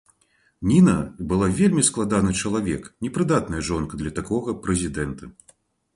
Ніна была вельмі складаны чалавек, непрыдатная жонка для такога прэзідэнта.